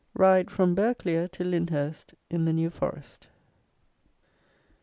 RIDE, FROM BURGHCLERE TO LYNDHURST, IN THE NEW FOREST.